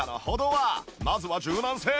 まずは柔軟性